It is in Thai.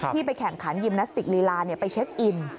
ไปแข่งขันยิมนาสติกลีลาไปเช็คอิน